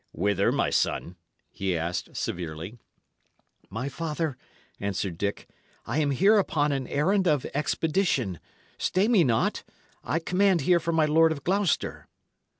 "Whither, my son?" he asked, severely. "My father," answered Dick, "I am here upon an errand of expedition. Stay me not. I command here for my Lord of Gloucester."